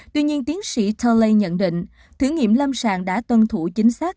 tuy nhiên tiến sĩ taley nhận định thử nghiệm lâm sàng đã tuân thủ chính xác